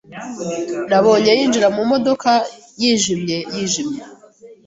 Nabonye yinjira mu modoka yijimye yijimye.